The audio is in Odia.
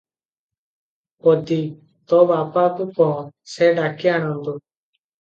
ପଦୀ- ତୋ ବାପାକୁ କହ, ସେ ଡାକି ଆଣନ୍ତୁ ।